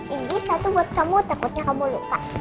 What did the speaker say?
ini satu buat kamu takutnya kamu lupa